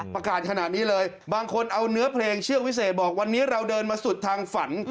ประกาศขนาดนี้เลยบางคนเอาเนื้อเพลงเชือกวิเศษบอกวันนี้เราเดินมาสุดทางฝัน